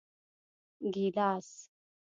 🍒 ګېلاس